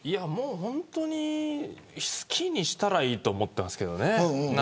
本当に、好きにしたらいいと思ってますけど。